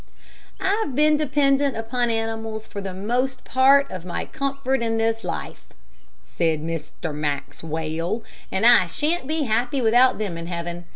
"I've been dependent upon animals for the most part of my comfort in this life," said Mr. Maxwell, "and I sha'n't be happy without them in heaven.